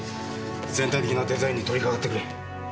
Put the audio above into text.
全体的なデザインに取りかかってくれ。